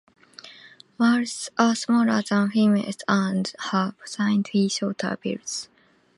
Males are smaller than females and have slightly shorter bills.